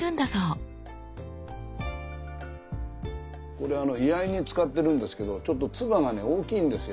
これあの居合に使ってるんですけどちょっと鐔がね大きいんですよ。